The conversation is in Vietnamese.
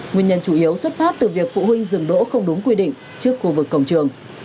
nguyên nhân chủ yếu xuất phát từ việc phụ huynh dừng đỗ không đúng quy định trước khu vực cổng trường